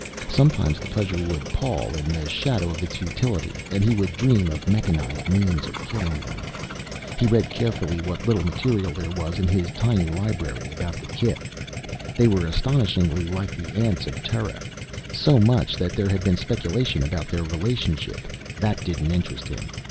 Sometimes the pleasure would pall in the shadow of its futility, and he would dream of mechanized means of killing them. He read carefully what little material there was in his tiny library about the kif. They were astonishingly like the ants of Terra. So much that there had been speculation about their relationship that didn't interest him.